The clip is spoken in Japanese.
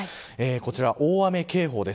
こちら、大雨警報です。